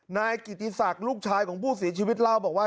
นายกิติศักดิ์ลูกชายของผู้เสียชีวิตเล่าบอกว่า